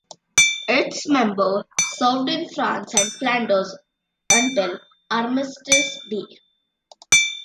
Its members served in France and Flanders until Armistice Day.